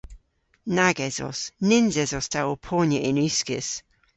Nag esos. Nyns esos ta ow ponya yn uskis.